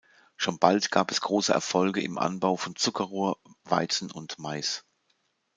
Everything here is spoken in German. Schon bald gab es große Erfolge im Anbau von Zuckerrohr, Weizen und Mais.